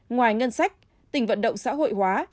ngoài ngân sách tỉnh vận động xã hội hóa